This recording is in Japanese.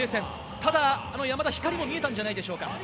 ただ、山田、光も見えたんじゃないでしょうか。